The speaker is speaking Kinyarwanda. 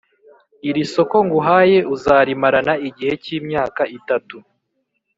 irisoko nguhaye uzarimarana igihe cy’ imyaka itatu